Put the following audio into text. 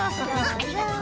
ありがとう。